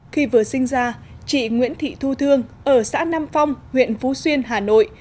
khi vừa sinh ra chị nguyễn thị thu thương ở xã nam phong huyện phú xuyên hà nội